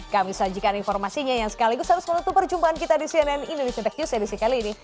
kami sajikan informasinya yang sekaligus harus menutup perjumpaan kita di cnn indonesia tech news edisi kali ini